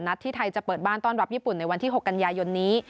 ที่ไทยจะเปิดบ้านต้อนรับญี่ปุ่นในวันที่๖กันยายนนี้